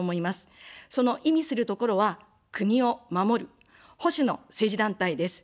その意味するところは、国を守る、保守の政治団体です。